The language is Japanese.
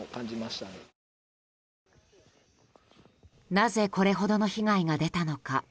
なぜ、これほどの被害が出たのか。